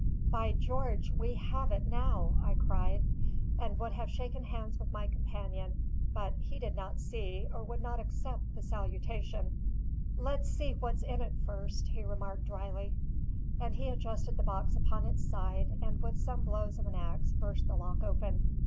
"By George, we have it now!" I cried, and would have shaken hands with my companion; but he did not see, or would not accept, the salutation. "Let's see what's in it first," he remarked dryly. And he adjusted the box upon its side, and with some blows of an axe burst the lock open.